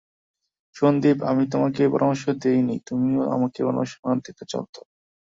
সন্দীপ, আমি তোমাকে পরামর্শ দিই নি, তুমিও আমাকে পরামর্শ না দিলে চলত।